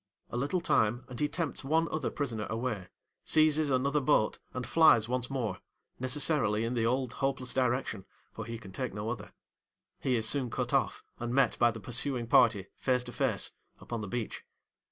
A little time, and he tempts one other prisoner away, seizes another boat, and flies once more—necessarily in the old hopeless direction, for he can take no other. He is soon cut off, and met by the pursuing party face to face, upon the beach.